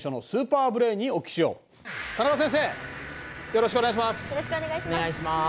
よろしくお願いします。